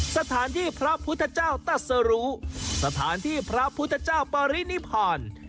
สถานที่พระพุทธเจ้าตัสรู้สถานที่พระพุทธเจ้าปรินิพาน